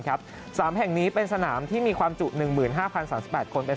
๓แห่งนี้เป็นสนามที่มีความจุ๑๕๐๓๘คน